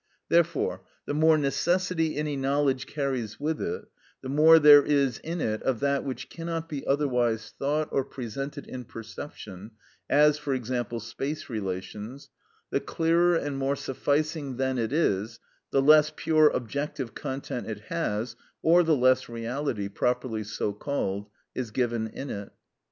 Therefore the more necessity any knowledge carries with it, the more there is in it of that which cannot be otherwise thought or presented in perception—as, for example, space relations—the clearer and more sufficing then it is, the less pure objective content it has, or the less reality, properly so called, is given in it.